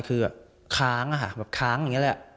คือค้างค่ะค้างอย่างนี้แหละ